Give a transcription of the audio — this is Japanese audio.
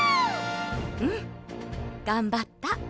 うんがんばった。